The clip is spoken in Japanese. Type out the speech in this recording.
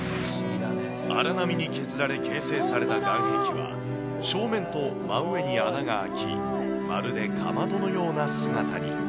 荒波に削られ、形成された岸壁は、正面と真上に穴が開き、まるでカマドのような姿に。